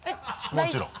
もちろん。